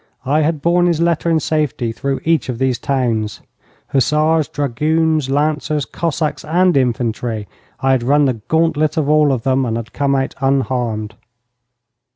I had borne his letter in safety through each of these towns. Hussars, dragoons, lancers, Cossacks, and infantry I had run the gauntlet of all of them, and had come out unharmed.